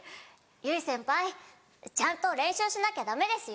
「唯先輩ちゃんと練習しなきゃダメですよ」。